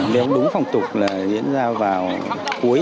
nếu đúng phòng tục là diễn ra vào cuối